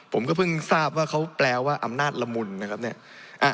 ผมก็เพิ่งทราบว่าเขาแปลว่าอำนาจละมุนนะครับเนี่ย